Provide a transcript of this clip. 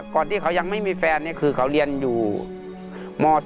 ที่เขายังไม่มีแฟนคือเขาเรียนอยู่ม๒